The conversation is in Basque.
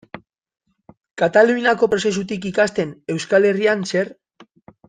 Kataluniako prozesutik ikasten, Euskal Herrian zer?